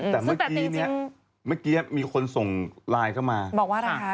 แต่เมื่อกี้นี้มีคนส่งไลน์เข้ามาค่ะเบากว่าล่ะคะ